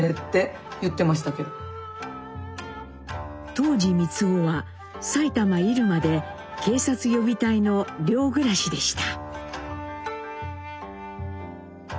当時光男は埼玉・入間で警察予備隊の寮暮らしでした。